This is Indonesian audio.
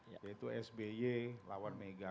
yaitu sby lawan mega